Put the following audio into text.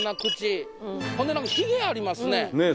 ほんでひげありますね。